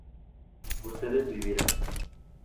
ustedes vivirán